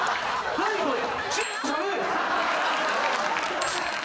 何これ？